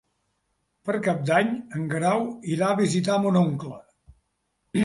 Per Cap d'Any en Guerau irà a visitar mon oncle.